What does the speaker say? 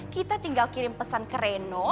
kita tinggal kirim pesan ke reno